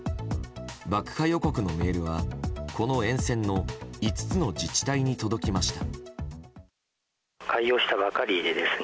爆破予告のメールは、この沿線の５つの自治体に届きました。